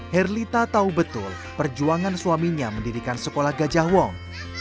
herlita tahu betul perjuangan suaminya mendirikan sekolah gajah wong